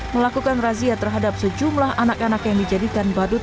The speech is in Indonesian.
melakukan razia terhadap sejumlah anak anak yang dijadikan badut